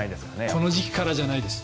この時期からじゃないです。